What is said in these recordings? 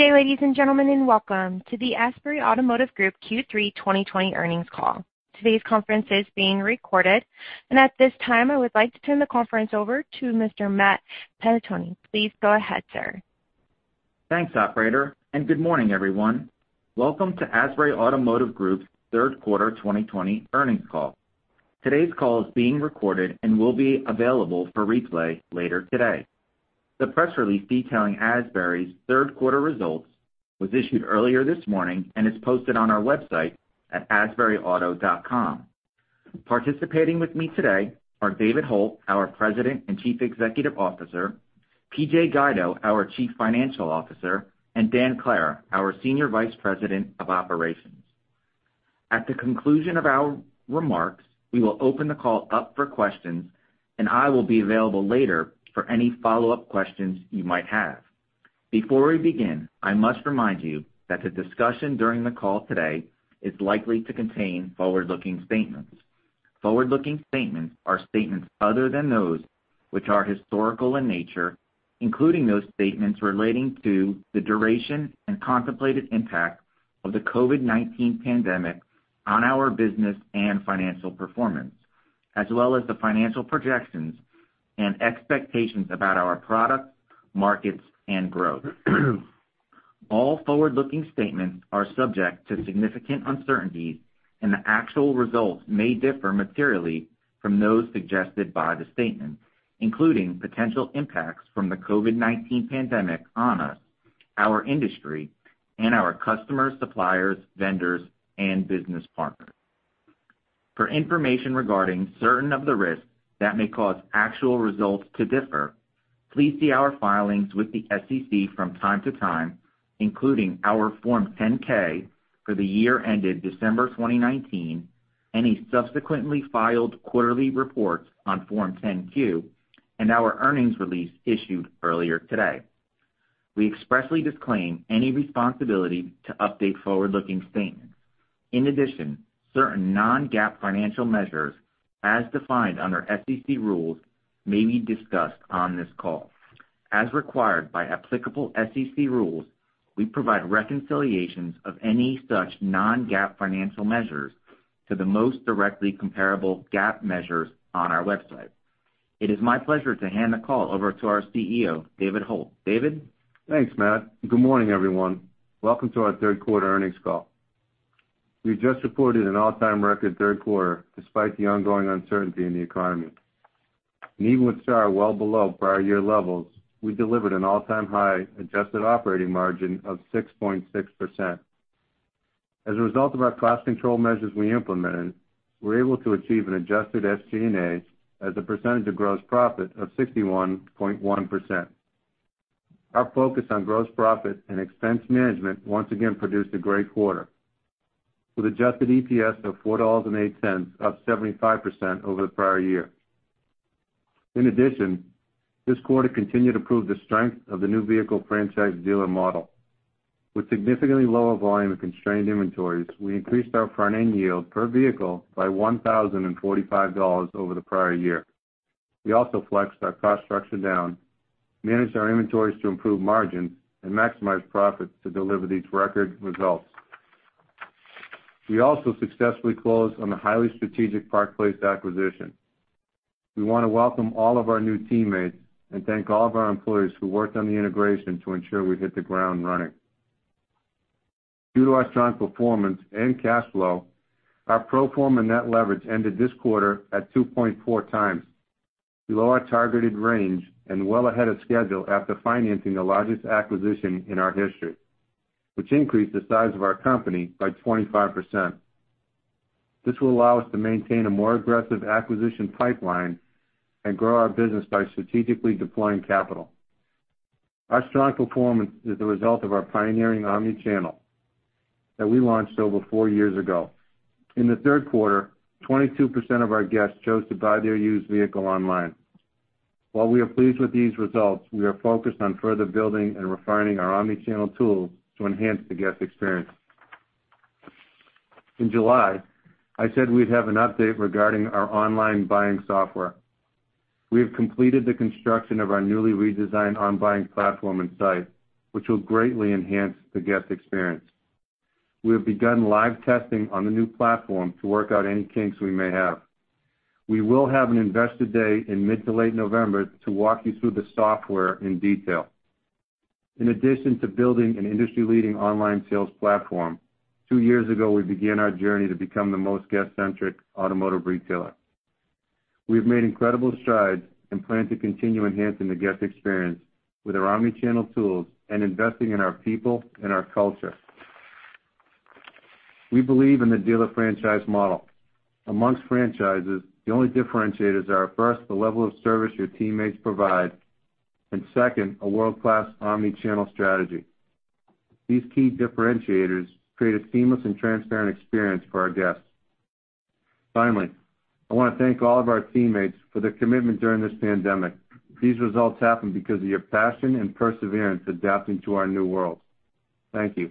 Good day, ladies and gentlemen, and welcome to the Asbury Automotive Group Q3 2020 earnings call. Today's conference is being recorded, and at this time, I would like to turn the conference over to Mr. Matt Pettoni. Please go ahead, sir. Thanks, operator. Good morning, everyone. Welcome to Asbury Automotive Group's third quarter 2020 earnings call. Today's call is being recorded and will be available for replay later today. The press release detailing Asbury's third quarter results was issued earlier this morning and is posted on our website at asburyauto.com. Participating with me today are David Hult, our President and Chief Executive Officer, PJ Guido, our Chief Financial Officer, and Dan Clara, our Senior Vice President of Operations. At the conclusion of our remarks, we will open the call up for questions, and I will be available later for any follow-up questions you might have. Before we begin, I must remind you that the discussion during the call today is likely to contain forward-looking statements. Forward-looking statements are statements other than those which are historical in nature, including those statements relating to the duration and contemplated impact of the COVID-19 pandemic on our business and financial performance, as well as the financial projections and expectations about our products, markets, and growth. All forward-looking statements are subject to significant uncertainties, and the actual results may differ materially from those suggested by the statements, including potential impacts from the COVID-19 pandemic on us, our industry, and our customers, suppliers, vendors, and business partners. For information regarding certain of the risks that may cause actual results to differ, please see our filings with the SEC from time to time, including our Form 10-K for the year ended December 2019, any subsequently filed quarterly reports on Form 10-Q, and our earnings release issued earlier today. We expressly disclaim any responsibility to update forward-looking statements. In addition, certain non-GAAP financial measures, as defined under SEC rules, may be discussed on this call. As required by applicable SEC rules, we provide reconciliations of any such non-GAAP financial measures to the most directly comparable GAAP measures on our website. It is my pleasure to hand the call over to our CEO, David Hult. David? Thanks, Matt. Good morning, everyone. Welcome to our third quarter earnings call. We just reported an all-time record third quarter despite the ongoing uncertainty in the economy. Even with SAAR well below prior year levels, we delivered an all-time high adjusted operating margin of 6.6%. As a result of our cost control measures we implemented, we were able to achieve an adjusted SG&A as a percentage of gross profit of 61.1%. Our focus on gross profit and expense management once again produced a great quarter with adjusted EPS of $4.08, up 75% over the prior year. In addition, this quarter continued to prove the strength of the new vehicle franchise dealer model. With significantly lower volume and constrained inventories, we increased our front-end yield per vehicle by $1,045 over the prior year. We also flexed our cost structure down, managed our inventories to improve margins, and maximized profits to deliver these record results. We also successfully closed on the highly strategic Park Place acquisition. We want to welcome all of our new teammates and thank all of our employees who worked on the integration to ensure we hit the ground running. Due to our strong performance and cash flow, our pro forma net leverage ended this quarter at 2.4x, below our targeted range and well ahead of schedule after financing the largest acquisition in our history, which increased the size of our company by 25%. This will allow us to maintain a more aggressive acquisition pipeline and grow our business by strategically deploying capital. Our strong performance is the result of our pioneering omni-channel that we launched over four years ago. In the third quarter, 22% of our guests chose to buy their used vehicle online. While we are pleased with these results, we are focused on further building and refining our omni-channel tools to enhance the guest experience. In July, I said we'd have an update regarding our online buying software. We have completed the construction of our newly redesigned online buying platform and site, which will greatly enhance the guest experience. We have begun live testing on the new platform to work out any kinks we may have. We will have an investor day in mid to late November to walk you through the software in detail. In addition to building an industry-leading online sales platform, two years ago, we began our journey to become the most guest-centric automotive retailer. We have made incredible strides and plan to continue enhancing the guest experience with our omni-channel tools and investing in our people and our culture. We believe in the dealer franchise model. Amongst franchises, the only differentiators are, first, the level of service your teammates provide and second, a world-class omni-channel strategy. These key differentiators create a seamless and transparent experience for our guests. Finally, I want to thank all of our teammates for their commitment during this pandemic. These results happened because of your passion and perseverance adapting to our new world. Thank you.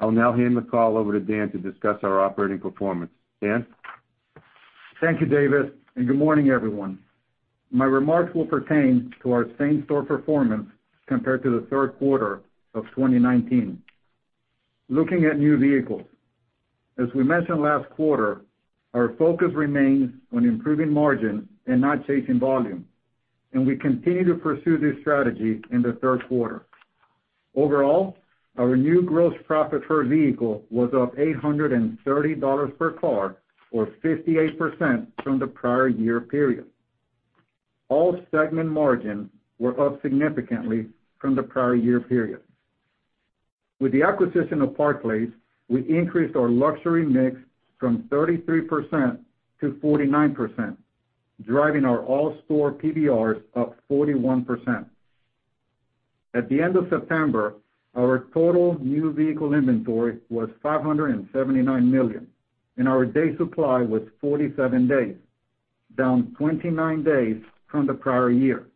I'll now hand the call over to Dan to discuss our operating performance. Dan? Thank you, David, and good morning, everyone. My remarks will pertain to our same-store performance compared to the third quarter of 2019. Looking at new vehicles, as we mentioned last quarter, our focus remains on improving margin and not chasing volume. We continue to pursue this strategy in the third quarter. Overall, our new gross profit per vehicle was up $830 per car, or 58% from the prior year period. All segment margins were up significantly from the prior year period. With the acquisition of Park Place, we increased our luxury mix from 33% to 49%, driving our all-store PVRs up 41%. At the end of September, our total new vehicle inventory was $579 million, and our day supply was 47 days, down 29 days from the prior year.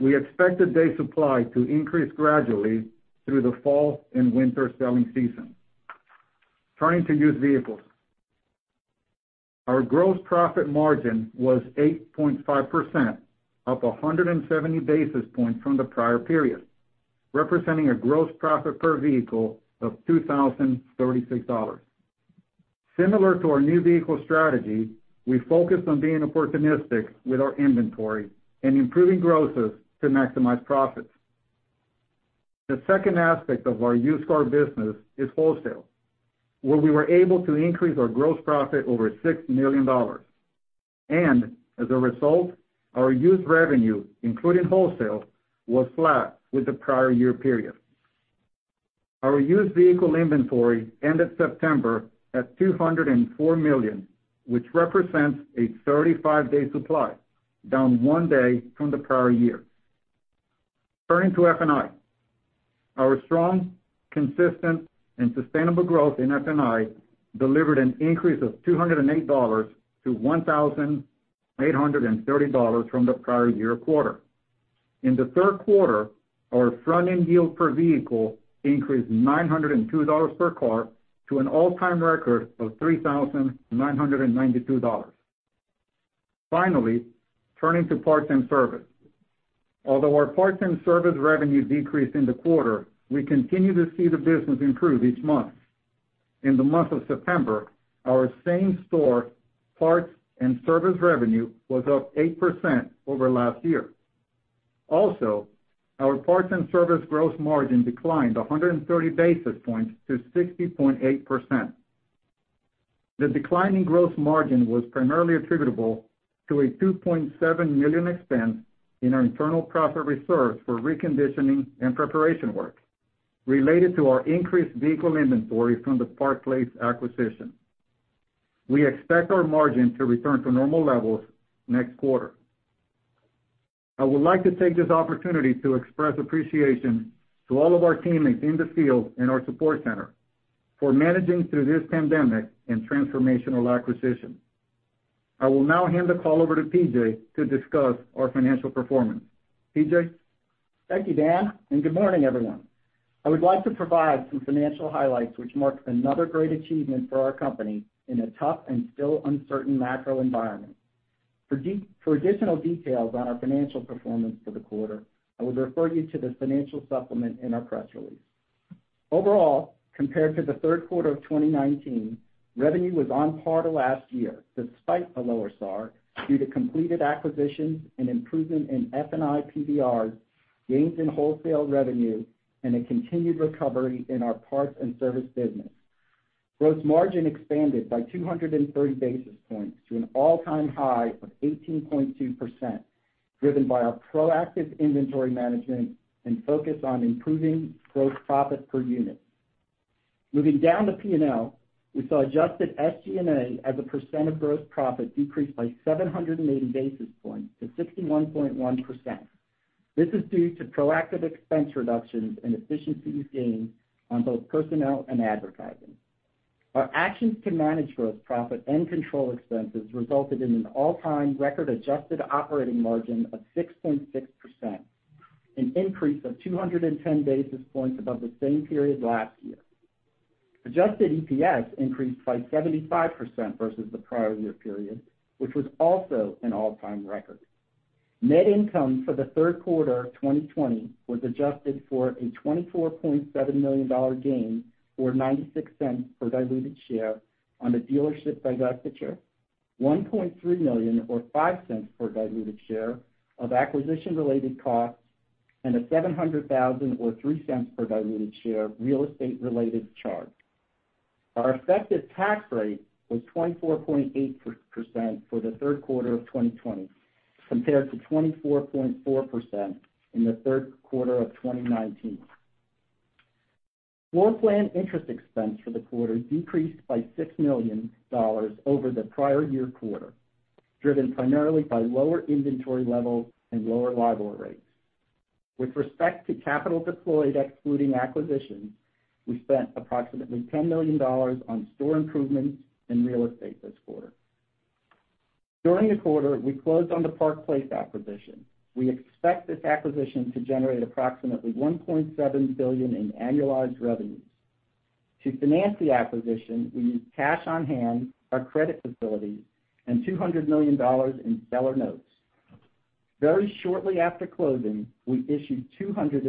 We expect the day supply to increase gradually through the fall and winter selling season. Turning to used vehicles. Our gross profit margin was 8.5%, up 170 basis points from the prior period, representing a gross profit per vehicle of $2,036. Similar to our new vehicle strategy, we focused on being opportunistic with our inventory and improving grosses to maximize profits. The second aspect of our used car business is wholesale, where we were able to increase our gross profit over $6 million. As a result, our used revenue, including wholesale, was flat with the prior year period. Our used vehicle inventory ended September at $204 million, which represents a 35-day supply, down one day from the prior year. Turning to F&I. Our strong, consistent, and sustainable growth in F&I delivered an increase of $208 to $1,830 from the prior year quarter. In the third quarter, our front-end yield per vehicle increased $902 per car to an all-time record of $3,992. Finally, turning to parts and service. Although our parts and service revenue decreased in the quarter, we continue to see the business improve each month. In the month of September, our same-store parts and service revenue was up 8% over last year. Also, our parts and service gross margin declined 130 basis points to 60.8%. The decline in gross margin was primarily attributable to a $2.7 million expense in our internal profit reserve for reconditioning and preparation work related to our increased vehicle inventory from the Park Place acquisition. We expect our margin to return to normal levels next quarter. I would like to take this opportunity to express appreciation to all of our teammates in the field and our support center for managing through this pandemic and transformational acquisition. I will now hand the call over to PJ to discuss our financial performance. PJ? Thank you, Dan, good morning, everyone. I would like to provide some financial highlights which marks another great achievement for our company in a tough and still uncertain macro environment. For additional details on our financial performance for the quarter, I would refer you to the financial supplement in our press release. Overall, compared to the third quarter of 2019, revenue was on par to last year despite a lower SAAR, due to completed acquisitions, an improvement in F&I PVRs, gains in wholesale revenue, and a continued recovery in our parts and service business. Gross margin expanded by 230 basis points to an all-time high of 18.2%, driven by our proactive inventory management and focus on improving gross profit per unit. Moving down to P&L, we saw adjusted SG&A as a percent of gross profit decrease by 780 basis points to 61.1%. This is due to proactive expense reductions and efficiencies gained on both personnel and advertising. Our actions to manage gross profit and control expenses resulted in an all-time record adjusted operating margin of 6.6%, an increase of 210 basis points above the same period last year. Adjusted EPS increased by 75% versus the prior year period, which was also an all-time record. Net income for the third quarter 2020 was adjusted for a $24.7 million gain, or $0.96 per diluted share on the dealership divestiture, $1.3 million or $0.05 per diluted share of acquisition-related costs, and a $700,000 or $0.03 per diluted share real estate-related charge. Our effective tax rate was 24.8% for the third quarter of 2020 compared to 24.4% in the third quarter of 2019. Floorplan interest expense for the quarter decreased by $6 million over the prior year quarter, driven primarily by lower inventory levels and lower LIBOR rates. With respect to capital deployed excluding acquisitions, we spent approximately $10 million on store improvements and real estate this quarter. During the quarter, we closed on the Park Place acquisition. We expect this acquisition to generate approximately $1.7 billion in annualized revenues. To finance the acquisition, we used cash on hand, our credit facility, and $200 million in seller notes. Very shortly after closing, we issued $250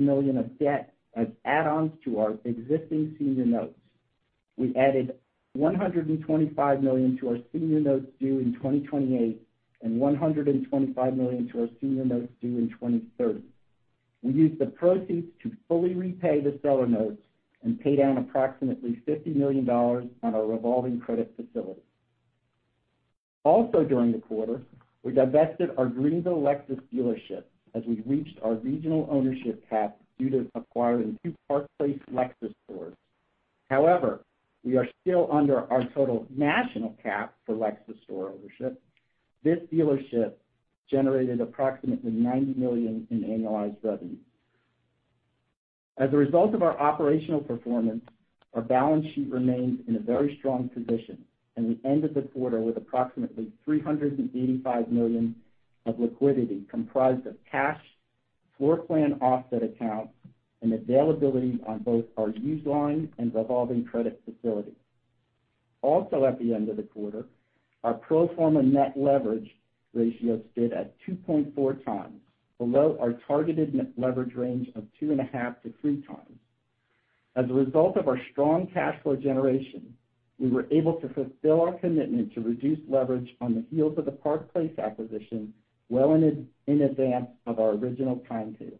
million of debt as add-ons to our existing senior notes. We added $125 million to our senior notes due in 2028 and $125 million to our senior notes due in 2030. We used the proceeds to fully repay the seller notes and pay down approximately $50 million on our revolving credit facility. During the quarter, we divested our Lexus of Greenville dealership as we reached our regional ownership cap due to acquiring two Park Place Lexus stores. We are still under our total national cap for Lexus store ownership. This dealership generated approximately $90 million in annualized revenue. As a result of our operational performance, our balance sheet remains in a very strong position, and we ended the quarter with approximately $385 million of liquidity comprised of cash, floor plan offset accounts, and availability on both our used line and revolving credit facility. At the end of the quarter, our pro forma net leverage ratio stood at 2.4x, below our targeted net leverage range of 2.5-3x. As a result of our strong cash flow generation, we were able to fulfill our commitment to reduce leverage on the heels of the Park Place acquisition well in advance of our original timetable.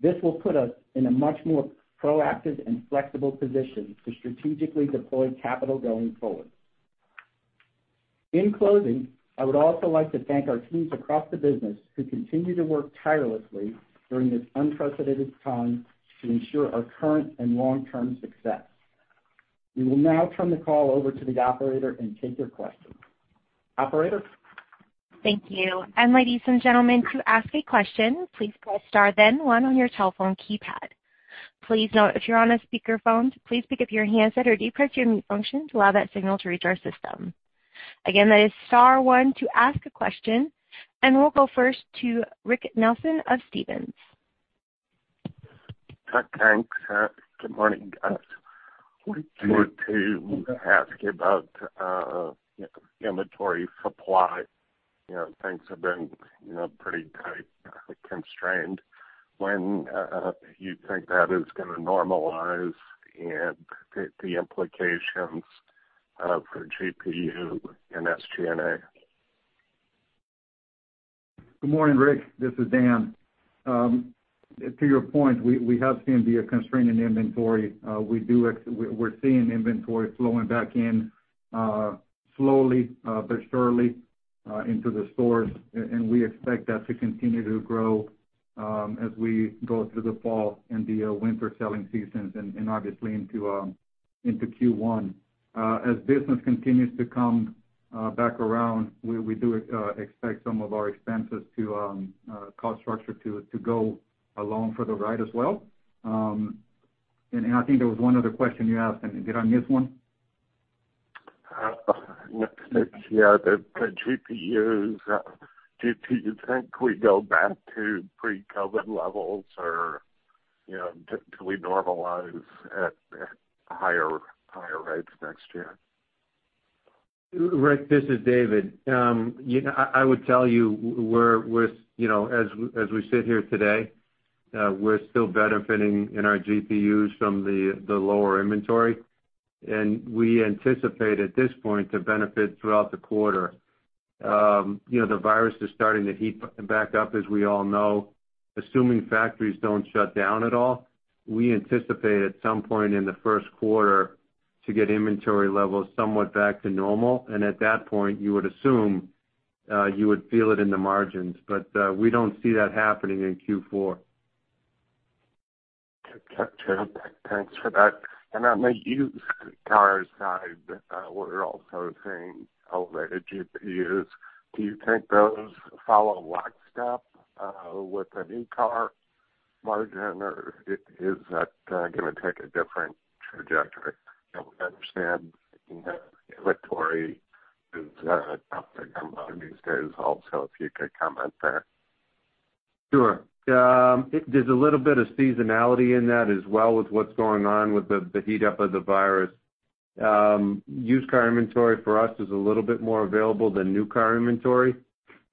This will put us in a much more proactive and flexible position to strategically deploy capital going forward. In closing, I would also like to thank our teams across the business who continue to work tirelessly during this unprecedented time to ensure our current and long-term success. We will now turn the call over to the operator and take your questions. Operator? Thank you. Ladies and gentlemen, to ask a question, please press star then one on your telephone keypad. Please note if you're on a speakerphone, please pick up your handset or depress your mute function to allow that signal to reach our system. Again, that is star one to ask a question, and we'll go first to Rick Nelson of Stephens. Hi, thanks. Good morning, guys. Wanted to ask you about inventory supply. Things have been pretty constrained. When you think that is going to normalize and the implications for GPU and SG&A? Good morning, Rick. This is Dan. To your point, we have seen the constraint in inventory. We're seeing inventory flowing back in slowly but surely into the stores, and we expect that to continue to grow as we go through the fall and the winter selling seasons and obviously into Q1. As business continues to come back around, we do expect some of our expenses to cost structure to go along for the ride as well. I think there was one other question you asked. Did I miss one? The GPUs, do you think we go back to pre-COVID levels or do we normalize at higher rates next year? Rick, this is David. I would tell you as we sit here today, we're still benefiting in our GPUs from the lower inventory, and we anticipate at this point to benefit throughout the quarter. The virus is starting to heat back up, as we all know. Assuming factories don't shut down at all, we anticipate at some point in the first quarter to get inventory levels somewhat back to normal. At that point, you would assume you would feel it in the margins. We don't see that happening in Q4. Okay. Thanks for that. On the used cars side, we're also seeing elevated GPUs. Do you think those follow lockstep with the new car margin, or is that going to take a different trajectory? I understand inventory is up a good amount these days also, if you could comment there. Sure. There's a little bit of seasonality in that as well with what's going on with the heat up of the virus. Used car inventory for us is a little bit more available than new car inventory.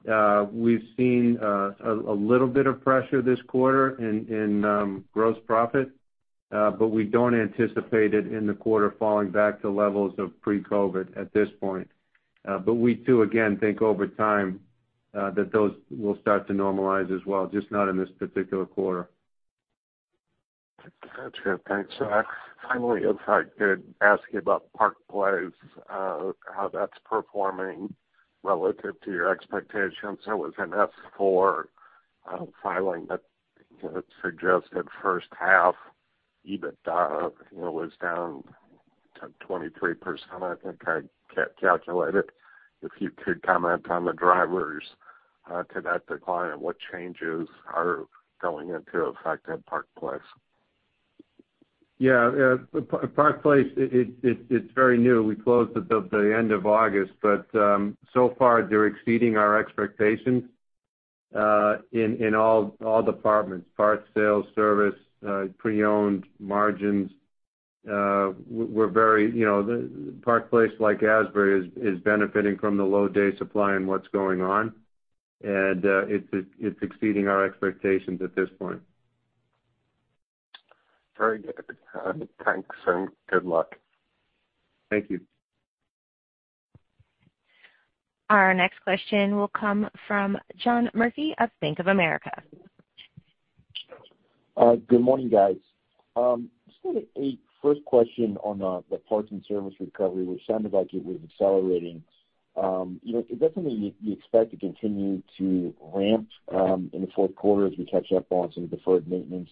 We've seen a little bit of pressure this quarter in gross profit, but we don't anticipate it in the quarter falling back to levels of pre-COVID at this point. We too, again, think over time that those will start to normalize as well, just not in this particular quarter. That's good. Thanks. If I could ask you about Park Place, how that's performing relative to your expectations. There was an S-4 filing that suggested first half EBITDA was down 23%, I think I calculated. If you could comment on the drivers to that decline and what changes are going into effect at Park Place. Yeah. Park Place, it's very new. We closed at the end of August. So far, they're exceeding our expectations in all departments, parts sales, service, pre-owned, margins. Park Place, like Asbury, is benefiting from the low day supply and what's going on. It's exceeding our expectations at this point. Very good. Thanks, and good luck. Thank you. Our next question will come from John Murphy of Bank of America. Good morning, guys. Just sort of a first question on the parts and service recovery, which sounded like it was accelerating. Is that something you expect to continue to ramp up in the fourth quarter as we catch up on some deferred maintenance,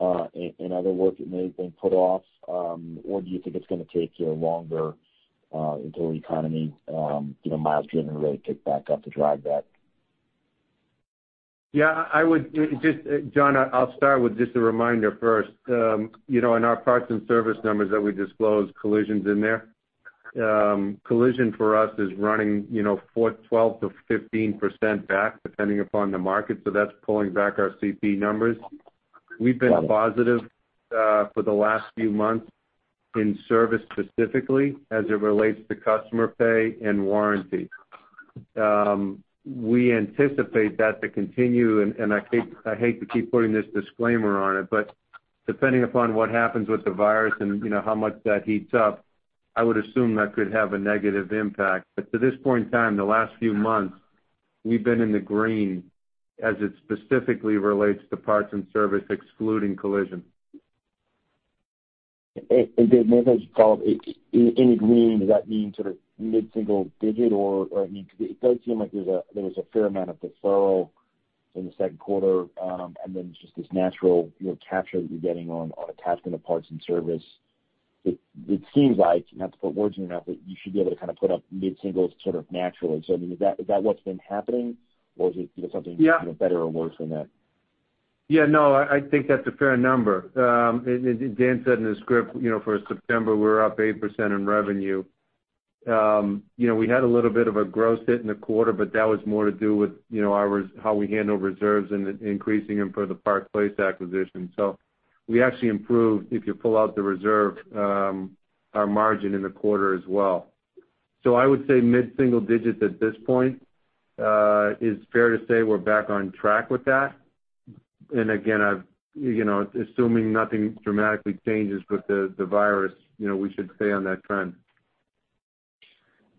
and other work that may have been put off? Or do you think it's going to take longer until the economy, miles driven really kick back up to drive that? Yeah. John, I'll start with just a reminder first. In our parts and service numbers that we disclose collision's in there. Collision for us is running 12%-15% back, depending upon the market, so that's pulling back our CP numbers. We've been positive for the last few months in service specifically as it relates to customer pay and warranty. We anticipate that to continue, and I hate to keep putting this disclaimer on it, but depending upon what happens with the virus and how much that heats up, I would assume that could have a negative impact. To this point in time, the last few months, we've been in the green as it specifically relates to parts and service, excluding collision. Dan, may I just follow up? In the green, does that mean sort of mid-single digit? Because it does seem like there was a fair amount of deferral in the second quarter, and then just this natural capture that you're getting on a task in the parts and service, it seems like, not to put words in your mouth, but you should be able to kind of put up mid-singles sort of naturally. I mean, is that what's been happening, or is it something- Yeah. ...better or worse than that? Yeah, no, I think that's a fair number. Dan said in the script, for September, we were up 8% in revenue. We had a little bit of a gross hit in the quarter. That was more to do with how we handle reserves and increasing them for the Park Place acquisition. We actually improved, if you pull out the reserve, our margin in the quarter as well. I would say mid-single digits at this point is fair to say we're back on track with that. Again, assuming nothing dramatically changes with the virus, we should stay on that trend.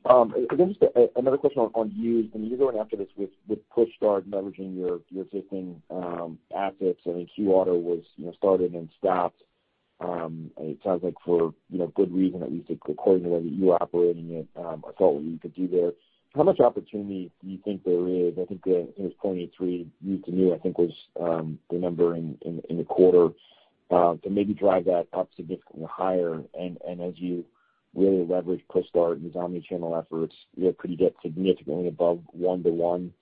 Just another question on used. You've been going after this with PushStart leveraging your existing assets. I think Q auto was started and stopped. It sounds like for good reason, at least according to the way that you operating it, or saw what you could do there. How much opportunity do you think there is? I think that it was 0.83 used to new, I think was the number in the quarter, to maybe drive that up significantly higher. As you really leverage PushStart and these omni-channel efforts, you could get significantly above one to one.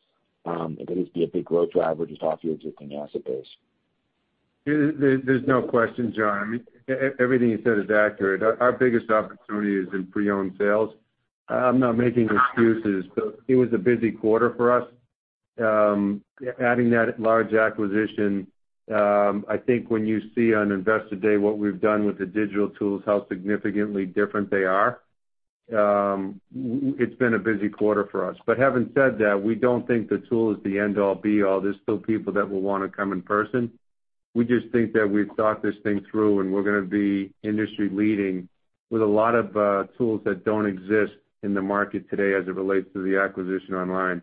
It could at least be a big growth driver just off your existing asset base. There's no question, John. Everything you said is accurate. Our biggest opportunity is in pre-owned sales. I'm not making excuses, but it was a busy quarter for us. Adding that large acquisition, I think when you see on Investor Day what we've done with the digital tools, how significantly different they are, it's been a busy quarter for us. Having said that, we don't think the tool is the end-all, be-all. There's still people that will want to come in person. We just think that we've thought this thing through, and we're going to be industry leading with a lot of tools that don't exist in the market today as it relates to the acquisition online.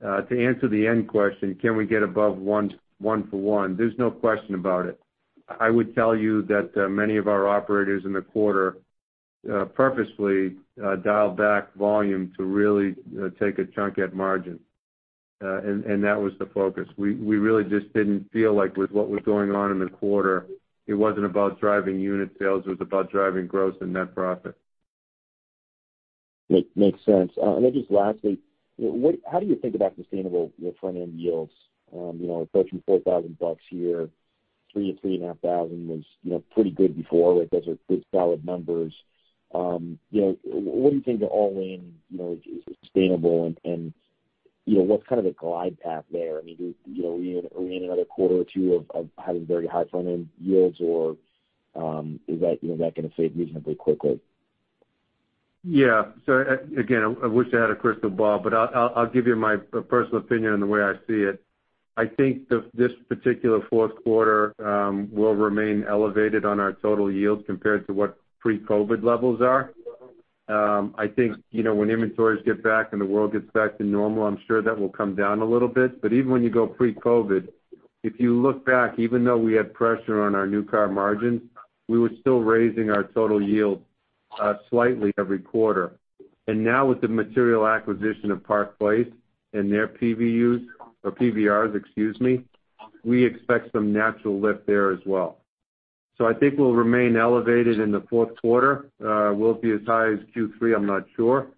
To answer the end question, can we get above one for one? There's no question about it. I would tell you that many of our operators in the quarter purposely dialed back volume to really take a chunk at margin. That was the focus. We really just didn't feel like with what was going on in the quarter, it wasn't about driving unit sales, it was about driving gross and net profit. Makes sense. Then just lastly, how do you think about sustainable front-end yields? Approaching $4,000 here, $3,000-$3,500 was pretty good before. Those are good, solid numbers. What do you think the all-in is sustainable and what's kind of the glide path there? Are we in another quarter or two of having very high front-end yields, or is that going to fade reasonably quickly? Yeah. Again, I wish I had a crystal ball, but I'll give you my personal opinion on the way I see it. I think this particular fourth quarter will remain elevated on our total yields compared to what pre-COVID levels are. I think when inventories get back and the world gets back to normal, I'm sure that will come down a little bit. Even when you go pre-COVID, if you look back, even though we had pressure on our new car margins, we were still raising our total yield slightly every quarter. Now with the material acquisition of Park Place and their PVUs or PVRs, excuse me, we expect some natural lift there as well. I think we'll remain elevated in the fourth quarter. Will it be as high as Q3? I'm not sure,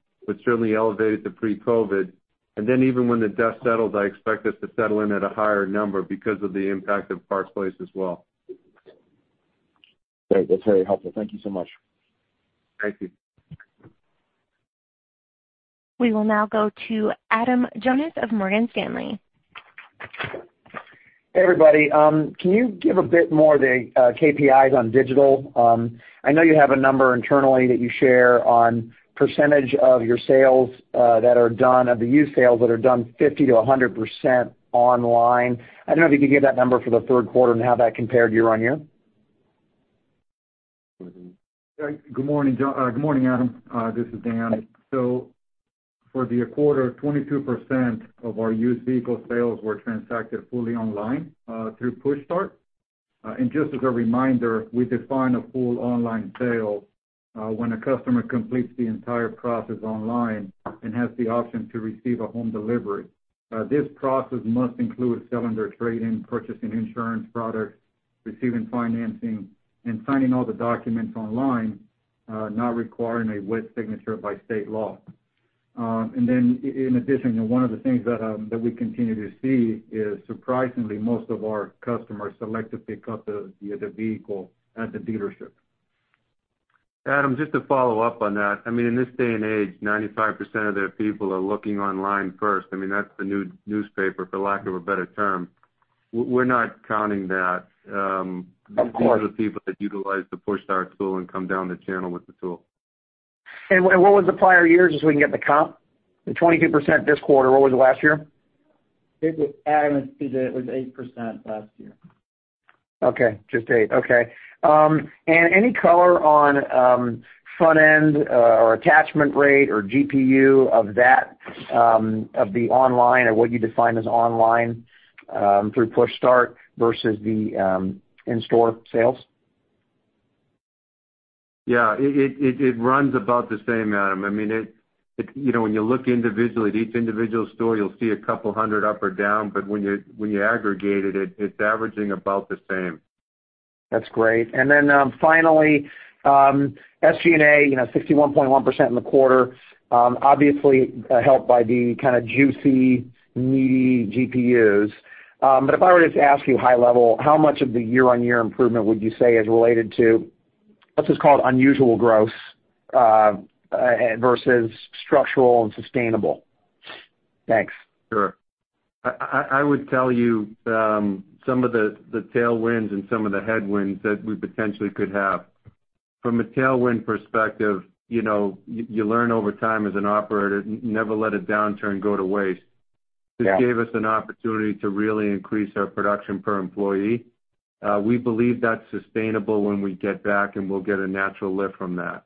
certainly elevated to pre-COVID. Even when the dust settles, I expect us to settle in at a higher number because of the impact of Park Place as well. Great. That's very helpful. Thank you so much. Thank you. We will now go to Adam Jonas of Morgan Stanley. Hey, everybody. Can you give a bit more of the KPIs on digital? I know you have a number internally that you share on percentage of your sales that are done, of the used sales that are done 50%-100% online. I don't know if you could give that number for the third quarter and how that compared year-over-year. Good morning, Adam. This is Dan. For the quarter, 22% of our used vehicle sales were transacted fully online through PushStart. Just as a reminder, we define a full online sale when a customer completes the entire process online and has the option to receive a home delivery. This process must include selling their trade-in, purchasing insurance products, receiving financing, and signing all the documents online, not requiring a wet signature by state law. In addition, one of the things that we continue to see is surprisingly, most of our customers select to pick up the vehicle at the dealership. Adam, just to follow up on that. In this day and age, 95% of the people are looking online first. That's the new newspaper, for lack of a better term. We're not counting that. Of course. These are the people that utilize the PushStart tool and come down the channel with the tool. What was the prior year, just so we can get the comp? The 22% this quarter, what was it last year? Adam, it was 8% last year. Okay. Just 8%. Okay. Any color on front end or attachment rate or GPU of the online or what you define as online, through PushStart versus the in-store sales? Yeah, it runs about the same, Adam. When you look individually at each individual store, you'll see a couple hundred up or down, but when you aggregate it's averaging about the same. That's great. Finally, SG&A 61.1% in the quarter, obviously helped by the kind of juicy, meaty GPUs. If I were to ask you high level, how much of the year-on-year improvement would you say is related to what's just called unusual growth versus structural and sustainable? Thanks. Sure. I would tell you some of the tailwinds and some of the headwinds that we potentially could have. From a tailwind perspective, you learn over time as an operator, never let a downturn go to waste. Yeah. This gave us an opportunity to really increase our production per employee. We believe that's sustainable when we get back, and we'll get a natural lift from that.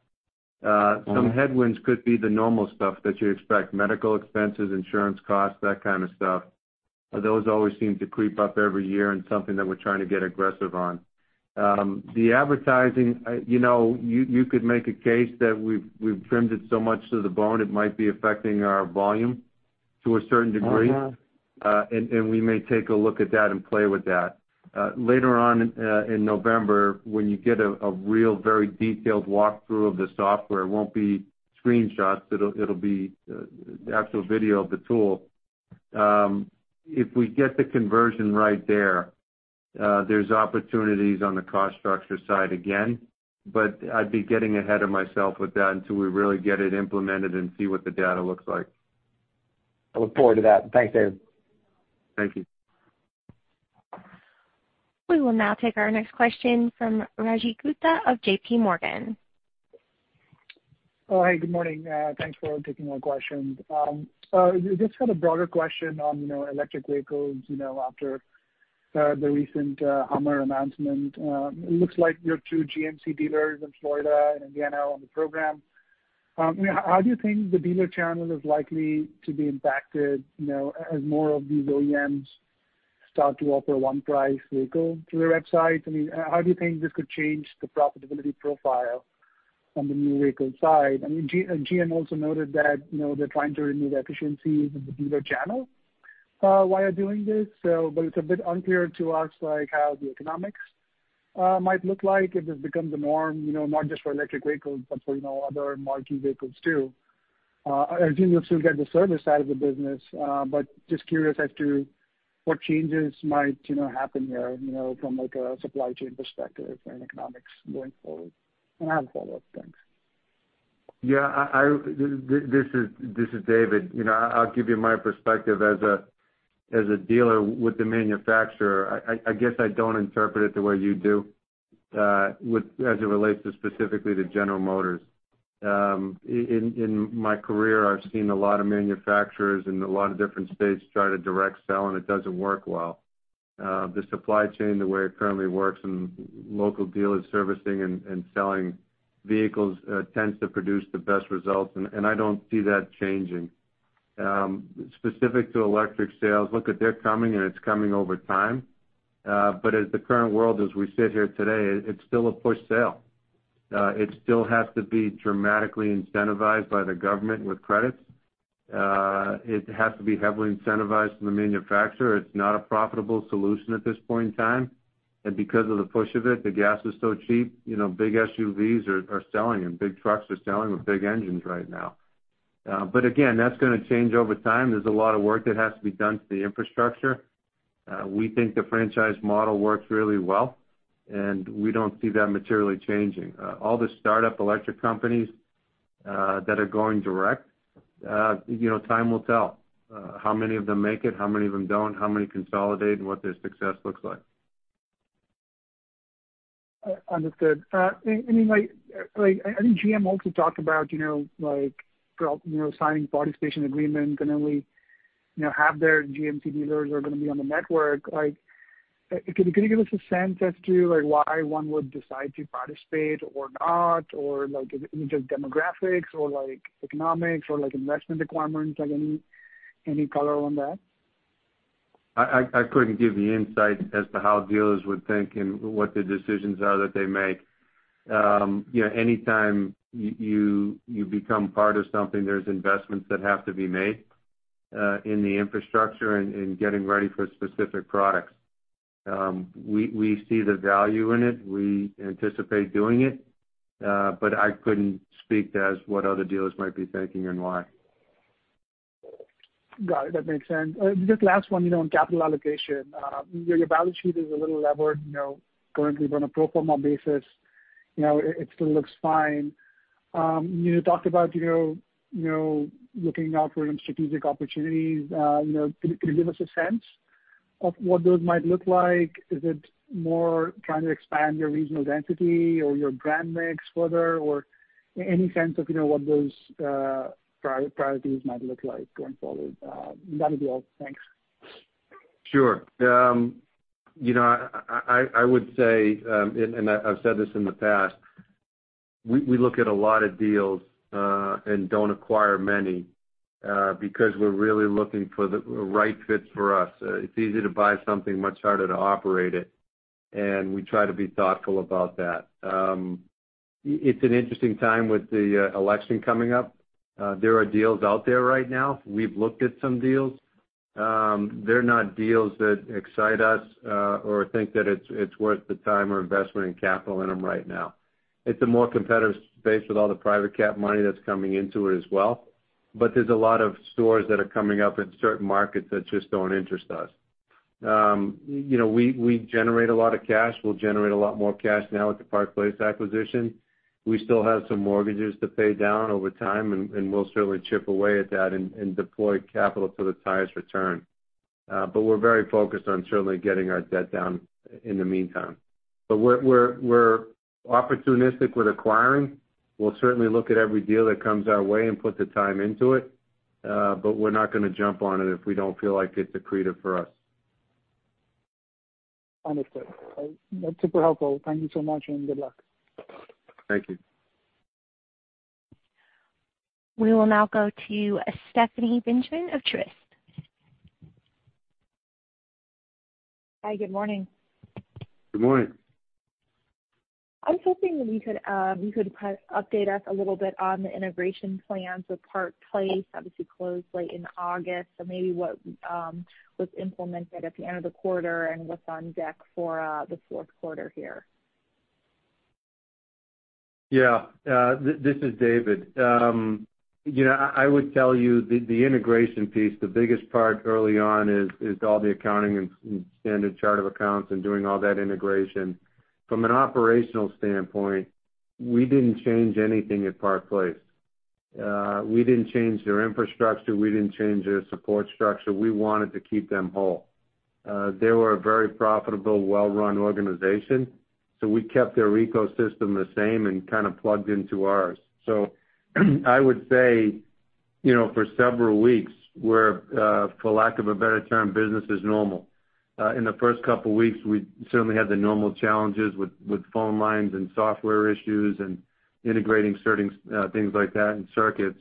Some headwinds could be the normal stuff that you expect, medical expenses, insurance costs, that kind of stuff. Those always seem to creep up every year and something that we're trying to get aggressive on. The advertising, you could make a case that we've trimmed it so much to the bone it might be affecting our volume to a certain degree. Oh, yeah. We may take a look at that and play with that. Later on in November, when you get a real, very detailed walkthrough of the software, it won't be screenshots, it'll be the actual video of the tool. If we get the conversion right there's opportunities on the cost structure side again. I'd be getting ahead of myself with that until we really get it implemented and see what the data looks like. I look forward to that. Thanks, David. Thank you. We will now take our next question from Rajat Gupta of JPMorgan. Oh, hey, good morning. Thanks for taking my question. Just had a broader question on electric vehicles after the recent Hummer announcement. It looks like your two GMC dealers in Florida and Indiana are on the program. How do you think the dealer channel is likely to be impacted as more of these OEMs start to offer one price vehicle through their websites? How do you think this could change the profitability profile on the new vehicle side? GM also noted that they're trying to remove efficiencies in the dealer channel while doing this. It's a bit unclear to us how the economics might look like if this becomes the norm, not just for electric vehicles, but for other marquee vehicles, too. I assume you'll still get the service side of the business, but just curious as to what changes might happen here from a supply chain perspective and economics going forward. I have a follow-up. Thanks. This is David. I'll give you my perspective as a dealer with the manufacturer. I guess I don't interpret it the way you do as it relates to specifically to General Motors. In my career, I've seen a lot of manufacturers in a lot of different states try to direct sell, and it doesn't work well. The supply chain, the way it currently works, and local dealers servicing and selling vehicles tends to produce the best results, and I don't see that changing. Specific to electric sales, look, they're coming, and it's coming over time. As the current world as we sit here today, it's still a push sale. It still has to be dramatically incentivized by the government with credits. It has to be heavily incentivized from the manufacturer. It's not a profitable solution at this point in time. Because of the push of it, the gas is so cheap, big SUVs are selling and big trucks are selling with big engines right now. Again, that's going to change over time. There's a lot of work that has to be done to the infrastructure. We think the franchise model works really well, and we don't see that materially changing. All the startup electric companies that are going direct, time will tell how many of them make it, how many of them don't, how many consolidate, and what their success looks like. Understood. I think GM also talked about signing participation agreement, can only have their GMC dealers are going to be on the network. Can you give us a sense as to why one would decide to participate or not, or is it just demographics or economics or investment requirements? Any color on that? I couldn't give you insight as to how dealers would think and what the decisions are that they make. Anytime you become part of something, there's investments that have to be made in the infrastructure and getting ready for specific products. We see the value in it. We anticipate doing it. I couldn't speak as what other dealers might be thinking and why. Got it. That makes sense. Just last one on capital allocation. Your balance sheet is a little levered currently, but on a pro forma basis it still looks fine. You talked about looking out for strategic opportunities. Can you give us a sense of what those might look like? Is it more trying to expand your regional density or your brand mix further? Any sense of what those priorities might look like going forward? That would be all. Thanks. Sure. I would say, I've said this in the past, we look at a lot of deals and don't acquire many because we're really looking for the right fit for us. It's easy to buy something, much harder to operate it, and we try to be thoughtful about that. It's an interesting time with the election coming up. There are deals out there right now. We've looked at some deals. They're not deals that excite us or think that it's worth the time or investment in capital in them right now. It's a more competitive space with all the private cap money that's coming into it as well. There's a lot of stores that are coming up in certain markets that just don't interest us. We generate a lot of cash. We'll generate a lot more cash now with the Park Place acquisition. We still have some mortgages to pay down over time, and we'll certainly chip away at that and deploy capital to the highest return. We're very focused on certainly getting our debt down in the meantime. We're opportunistic with acquiring. We'll certainly look at every deal that comes our way and put the time into it. We're not going to jump on it if we don't feel like it's accretive for us. Understood. That's super helpful. Thank you so much, and good luck. Thank you. We will now go to Stephanie Benjamin of Truist. Hi, good morning. Good morning. I was hoping you could update us a little bit on the integration plans with Park Place. Obviously closed late in August, so maybe what was implemented at the end of the quarter and what's on deck for the fourth quarter here. Yeah. This is David. I would tell you the integration piece, the biggest part early on is all the accounting and standard chart of accounts and doing all that integration. From an operational standpoint, we didn't change anything at Park Place. We didn't change their infrastructure, we didn't change their support structure. We wanted to keep them whole. They were a very profitable, well-run organization, so we kept their ecosystem the same and kind of plugged into ours. I would say for several weeks we're, for lack of a better term, business as normal. In the first couple of weeks, we certainly had the normal challenges with phone lines and software issues and integrating certain things like that and circuits.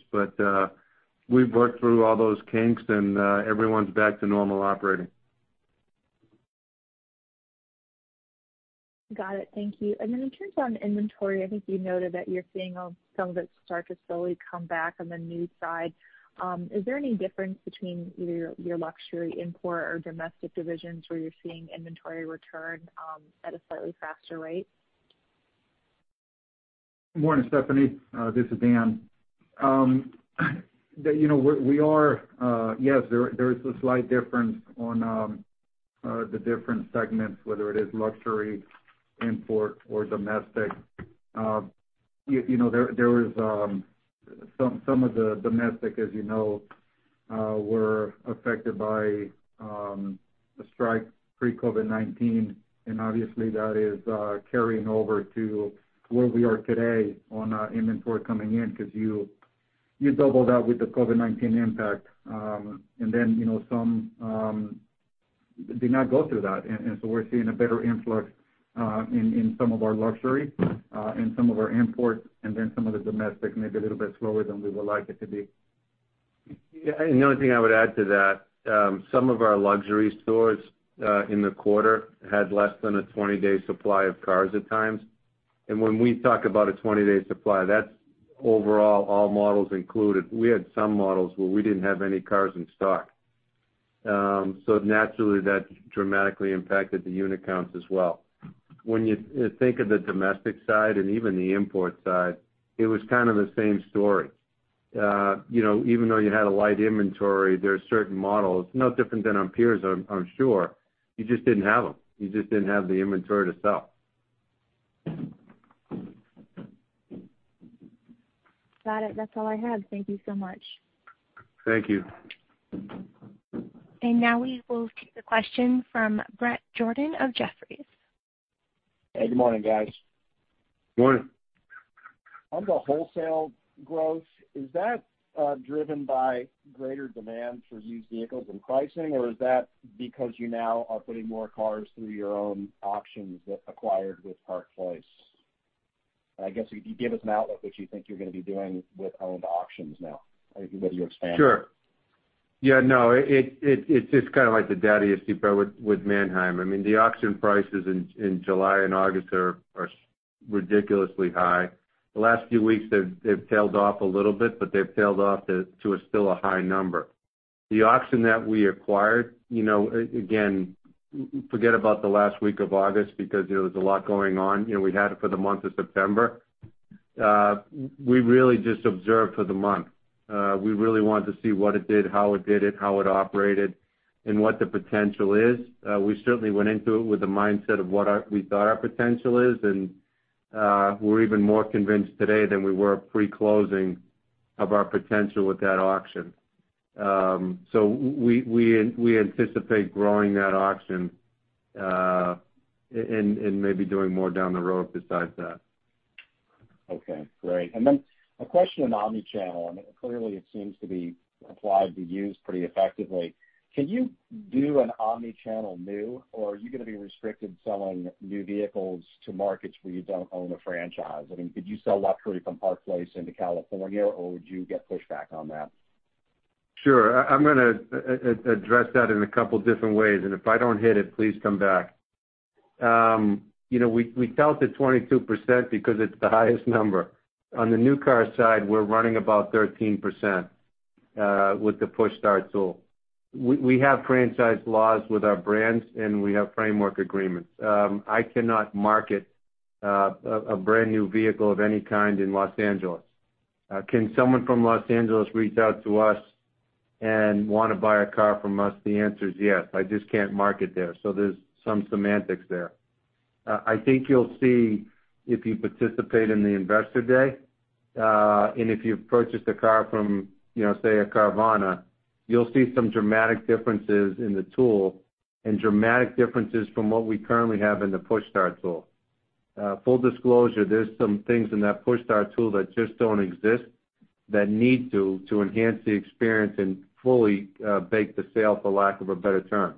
We've worked through all those kinks, and everyone's back to normal operating. Got it. Thank you. In terms of inventory, I think you noted that you're seeing some of it start to slowly come back on the new side. Is there any difference between either your luxury import or domestic divisions where you're seeing inventory return at a slightly faster rate? Good morning, Stephanie. This is Dan. Yes, there is a slight difference on the different segments, whether it is luxury, import or domestic. Some of the domestic, as you know, were affected by the strike pre-COVID-19, and obviously that is carrying over to where we are today on inventory coming in because you double that with the COVID-19 impact. Then some did not go through that. So we're seeing a better influx in some of our luxury and some of our imports, and then some of the domestic may be a little bit slower than we would like it to be. The only thing I would add to that, some of our luxury stores in the quarter had less than a 20-day supply of cars at times. When we talk about a 20-day supply, that's overall, all models included. We had some models where we didn't have any cars in stock. Naturally, that dramatically impacted the unit counts as well. You think of the domestic side and even the import side, it was kind of the same story. Even though you had a light inventory, there are certain models, no different than our peers, I'm sure, you just didn't have them. You just didn't have the inventory to sell. Got it. That's all I had. Thank you so much. Thank you. Now we will take a question from Bret Jordan of Jefferies. Good morning, guys. Morning. On the wholesale growth, is that driven by greater demand for used vehicles and pricing, or is that because you now are putting more cars through your own auctions that acquired with Park Place? I guess, could you give us an outlook what you think you're going to be doing with owned auctions now as you continue to expand? It's just kind of like the daddy of 10-K with Manheim. I mean, the auction prices in July and August are ridiculously high. The last few weeks they've tailed off a little bit, but they've tailed off to a still a high number. The auction that we acquired, again, forget about the last week of August because there was a lot going on. We had it for the month of September. We really just observed for the month. We really wanted to see what it did, how it did it, how it operated, and what the potential is. We certainly went into it with the mindset of what we thought our potential is, and we're even more convinced today than we were pre-closing of our potential with that auction. We anticipate growing that auction and maybe doing more down the road besides that. Okay, great. Then a question on omni-channel. I mean, clearly it seems to be applied to used pretty effectively. Can you do an omni-channel new, or are you going to be restricted selling new vehicles to markets where you don't own a franchise? I mean, could you sell luxury from Park Place into California, or would you get pushback on that? Sure. I'm going to address that in a couple different ways, and if I don't hit it, please come back. We felt that 22% because it's the highest number. On the new car side, we're running about 13% with the PushStart tool. We have franchise laws with our brands, and we have framework agreements. I cannot market a brand-new vehicle of any kind in Los Angeles. Can someone from Los Angeles reach out to us and want to buy a car from us? The answer is yes. I just can't market there. There's some semantics there. I think you'll see if you participate in the investor day, and if you've purchased a car from, say, a Carvana, you'll see some dramatic differences in the tool and dramatic differences from what we currently have in the PushStart tool. Full disclosure, there's some things in that PushStart tool that just don't exist that need to enhance the experience and fully bake the sale, for lack of a better term.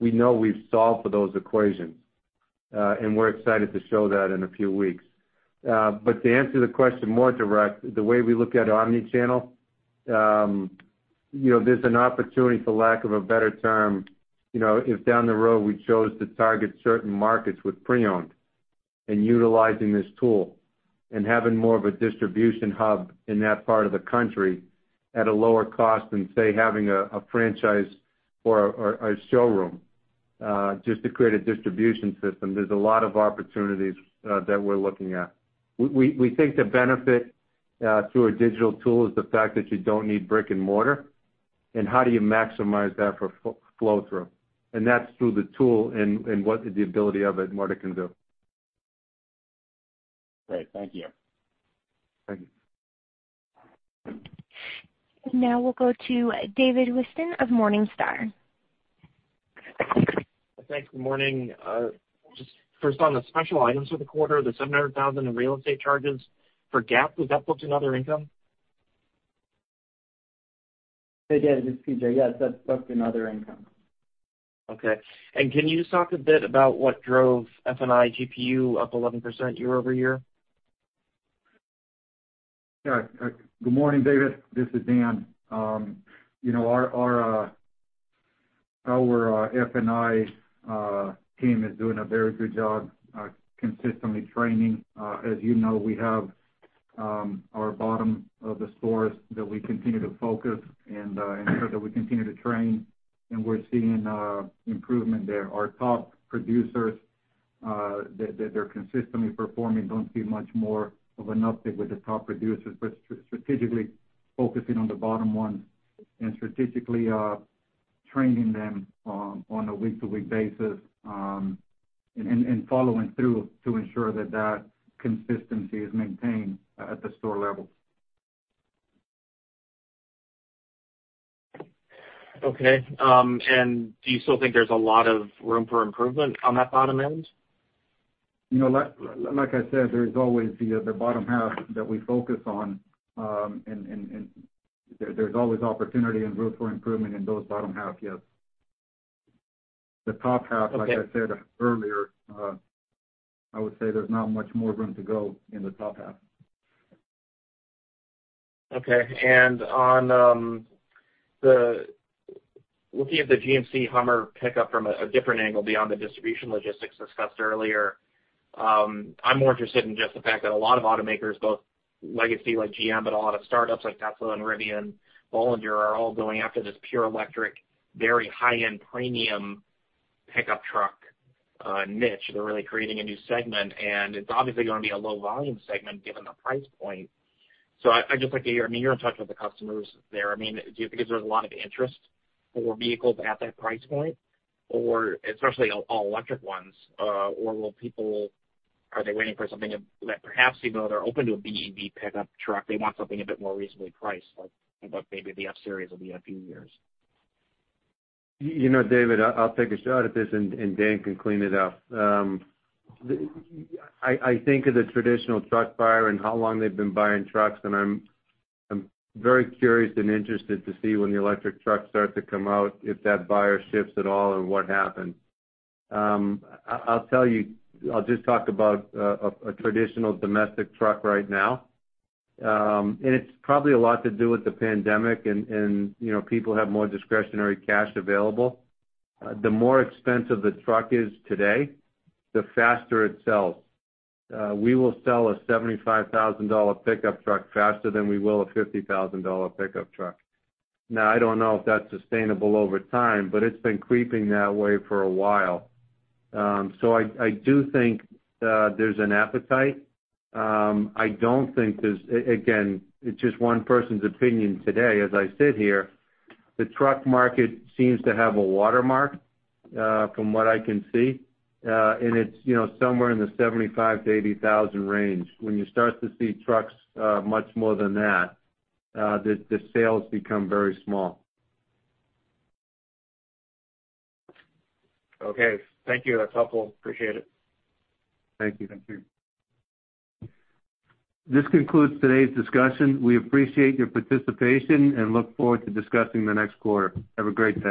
We know we've solved for those equations, and we're excited to show that in a few weeks. To answer the question more direct, the way we look at omni-channel, there's an opportunity, for lack of a better term, if down the road we chose to target certain markets with pre-owned and utilizing this tool and having more of a distribution hub in that part of the country at a lower cost than, say, having a franchise or a showroom just to create a distribution system. There's a lot of opportunities that we're looking at. We think the benefit through a digital tool is the fact that you don't need brick and mortar, and how do you maximize that for flow through? That's through the tool and what the ability of it and what it can do. Great. Thank you. Thank you. Now we'll go to David Whiston of Morningstar. Thanks. Good morning. Just first on the special items for the quarter, the $700,000 in real estate charges for GAAP, was that booked in other income? Hey, David, it's PJ. Yes, that's booked in other income. Okay. Can you just talk a bit about what drove F&I GPU up 11% year-over-year? Yeah. Good morning, David. This is Dan. Our F&I team is doing a very good job consistently training. As you know, we have our bottom of the stores that we continue to focus and ensure that we continue to train, and we're seeing improvement there. Our top producers, they're consistently performing. Don't see much more of an uptick with the top producers. We're strategically focusing on the bottom ones and strategically training them on a week-to-week basis and following through to ensure that consistency is maintained at the store level. Okay. Do you still think there's a lot of room for improvement on that bottom end? Like I said, there's always the bottom half that we focus on, and there's always opportunity and room for improvement in those bottom half, yes. Okay. Like I said earlier, I would say there's not much more room to go in the top half. Okay. Looking at the GMC Hummer pickup from a different angle beyond the distribution logistics discussed earlier, I'm more interested in just the fact that a lot of automakers, both legacy like GM, but a lot of startups like Tesla and Rivian, Bollinger, are all going after this pure electric, very high-end premium pickup truck niche. They're really creating a new segment, and it's obviously going to be a low volume segment given the price point. I'd just like to hear, you're in touch with the customers there. Do you think there's a lot of interest for vehicles at that price point, especially all-electric ones? Or are people waiting for something that perhaps, even though they're open to a BEV pickup truck, they want something a bit more reasonably priced, like maybe the F-Series will be a few years? David, I'll take a shot at this, and Dan can clean it up. I think of the traditional truck buyer and how long they've been buying trucks, and I'm very curious and interested to see when the electric trucks start to come out, if that buyer shifts at all and what happens. I'll just talk about a traditional domestic truck right now. It's probably a lot to do with the pandemic and people have more discretionary cash available. The more expensive the truck is today, the faster it sells. We will sell a $75,000 pickup truck faster than we will a $50,000 pickup truck. Now, I don't know if that's sustainable over time, but it's been creeping that way for a while. I do think there's an appetite. Again, it's just one person's opinion today as I sit here. The truck market seems to have a watermark from what I can see, and it's somewhere in the $75,000-$80,000 range. When you start to see trucks much more than that, the sales become very small. Okay. Thank you. That's helpful. Appreciate it. Thank you. Thank you. This concludes today's discussion. We appreciate your participation and look forward to discussing the next quarter. Have a great day.